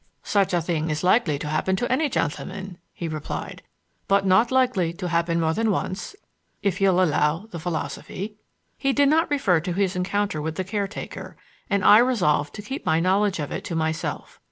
"Such a thing is likely to happen to any gentleman," he replied, "but not likely to happen more than once, if you'll allow the philosophy." He did not refer to his encounter with the caretaker, and I resolved to keep my knowledge of it to myself.